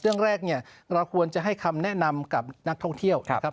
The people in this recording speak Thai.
เรื่องแรกเนี่ยเราควรจะให้คำแนะนำกับนักท่องเที่ยวนะครับ